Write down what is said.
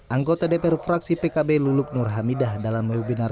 anggota dpr fraksi pkb luluk nur hamidah dalam webinar